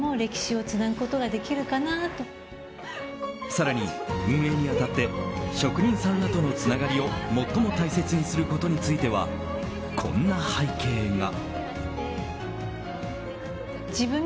更に運営に当たって職人さんらとのつながりを最も大切にすることについてはこんな背景が。